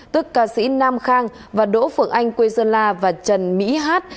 tức ca sĩ nam khang và đỗ phượng anh quê sơn la và trần mỹ hát